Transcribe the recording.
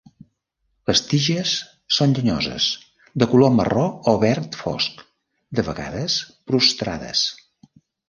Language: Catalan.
Les tiges són llenyoses, de color marró o verd fosc, de vegades prostrades.